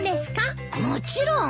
もちろん。